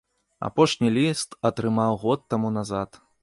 Апошні ліст атрымаў год таму назад.